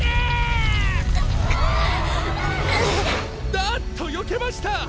あっとよけました！